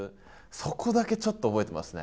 そこだけちょっと覚えてますね。